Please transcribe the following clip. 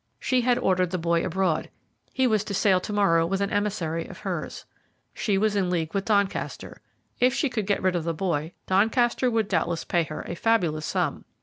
She had ordered the boy abroad. He was to sail to morrow with an emissary of hers. She was in league with Doncaster. If she could get rid of the boy, Doncaster would doubtless pay her a fabulous sum.